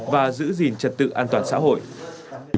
và giữ lực lượng của người dân ở cơ sở